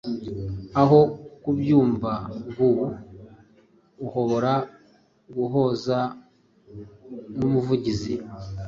aho kubyumva gua, uhobora guhuza numuvugizi